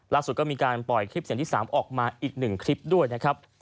ก็มีการปล่อยคลิปเสียงที่๓ออกมาอีก๑คลิปด้วยนะครับ